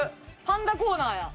パンダコーナーや。